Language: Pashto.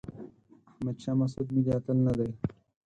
احمد شاه مسعود ملي اتل نه دی.